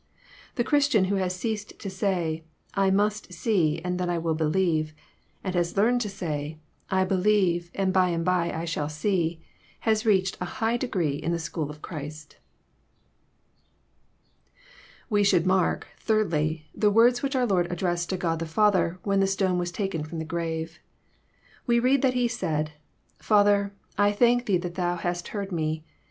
The Christian who has ceased to say, '' I must see, and then I will believe," and has learned to say, ^' I believe, and by and by I shall see," has reached a high degree in the school of Christ. We should mark, thirdly, the words which our Lord addressed to Ood the Father, when the stone was taken from the grave. We read that He said, " Father, I thank Thee that Thou hast heard Me.